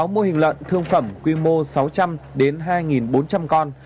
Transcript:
một mươi sáu mô hình lợn thương phẩm quy mô sáu trăm linh đến hai bốn trăm linh con